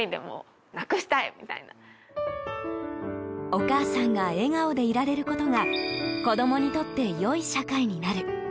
お母さんが笑顔でいられることが子供にとって良い社会になる。